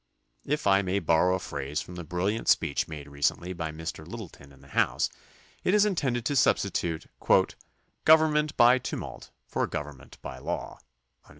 If I may borrow a phrase from the brilliant speech made recently by Mr. Littleton in the House, it is intended to substitute "government by tumult for government by law."